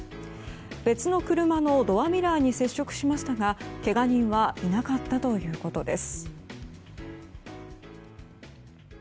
別の車のドアミラーに接触しましたがけが人はいなかったということです。